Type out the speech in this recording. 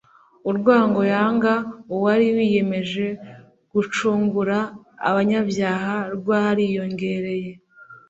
urwango yangaga uwari wiyemeje gucungura abanyabyaha rwariyongereye.